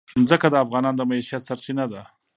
ځمکه د افغانانو د معیشت سرچینه ده.